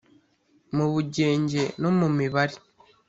mu bugenge no mu mibare